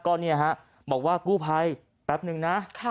ก็บอกว่ากู้ภัยแป๊บหนึ่งนะ